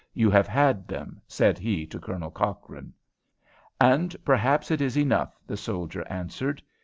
You have had them," said he to Colonel Cochrane. "And perhaps it is enough," the soldier answered.